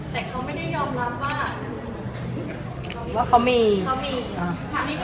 แต่ก็ไม่ได้ยอมรับว่าเขามี